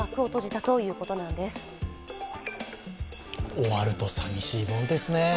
終わるとさみしいものですね。